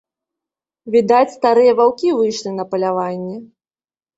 Відаць, старыя ваўкі выйшлі на паляванне.